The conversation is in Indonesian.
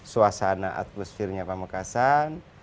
suasana atmosfernya pamekasan